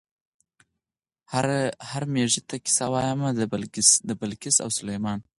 "هر مېږي ته قصه وایم د بلقیس او سلیمان".